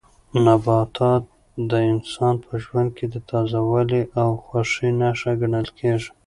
نباتات د انسان په ژوند کې د تازه والي او خوشالۍ نښه ګڼل کیږي.